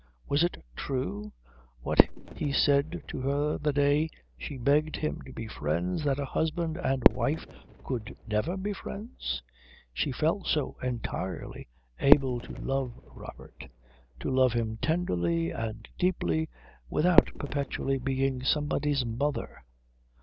Was it true, what he said to her the day she begged him to be friends, that a husband and wife could never be friends? She felt so entirely able to love Robert, to love him tenderly and deeply, without perpetually being somebody's mother.